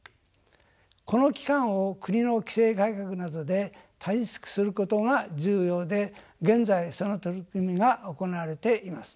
この期間を国の規制改革などで短縮することが重要で現在その取り組みが行われています。